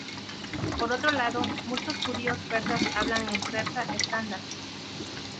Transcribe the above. Por otro lado, muchos judíos persas hablan el persa estándar.